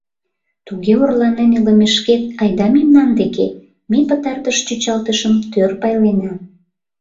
Туге орланен илымешкет айда мемнан деке: ме пытартыш чӱчалтышым тӧр пайлена.